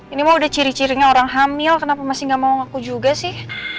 ini mah udah ciri cirinya orang hamil kenapa masih gak mau ngaku juga sih